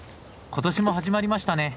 今年も始まりましたね。